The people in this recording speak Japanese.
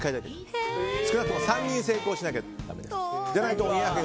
少なくとも３人成功しなきゃだめです。